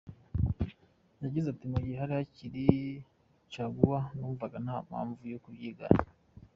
Yagize ati “Mu gihe hari hakiri caguwa, wumvaga nta mpamvu yo kubyigana.